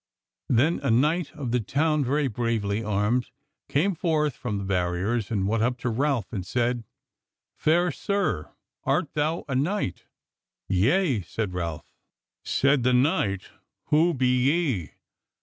Then a knight of the town, very bravely armed, came forth from the barriers and went up to Ralph, and said: "Fair sir, art thou a knight?" "Yea," said Ralph. Said the knight, "Who be ye?"